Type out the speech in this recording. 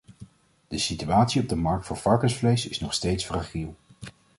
De situatie op de markt voor varkensvlees is nog steeds fragiel.